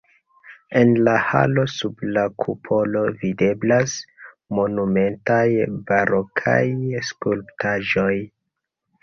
En la halo sub la kupolo videblas monumentaj barokaj skulptaĵoj.